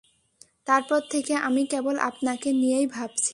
তারপর থেকে আমি কেবল আপনাকে নিয়েই ভাবছি।